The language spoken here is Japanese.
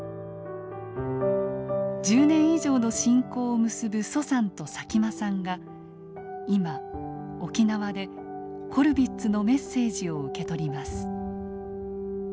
１０年以上の親交を結ぶ徐さんと佐喜眞さんが今沖縄でコルヴィッツのメッセージを受け取ります。